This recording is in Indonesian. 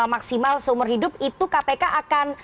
maksimal seumur hidup itu kpk akan